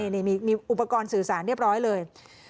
นี่มีอุปกรณ์สื่อสารเรียบร้อยเลย